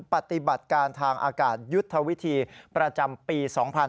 ปฏิบัติการทางอากาศยุทธวิธีประจำปี๒๕๕๙